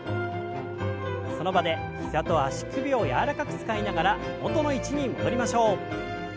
その場で膝と足首を柔らかく使いながら元の位置に戻りましょう。